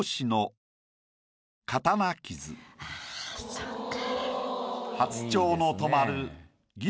そっか。